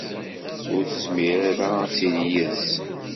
ur tezmir ara ad tili yid-s.